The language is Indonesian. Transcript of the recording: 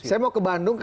saya mau ke bandung